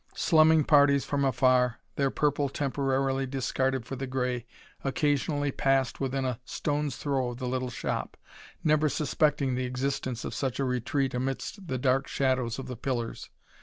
Slumming parties from afar, their purple temporarily discarded for the gray, occasionally passed within a stone's throw of the little shop, never suspecting the existence of such a retreat amidst the dark shadows of the pillars.